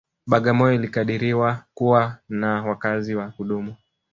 Bagamoyo ilikadiriwa kuwa na wakazi wa kudumu